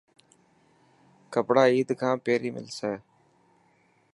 ڪپڙا عيد کان پهرين ملسي؟